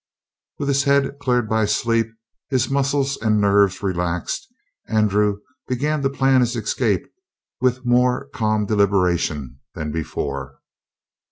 With his head cleared by sleep, his muscles and nerves relaxed, Andrew began to plan his escape with more calm deliberation than before.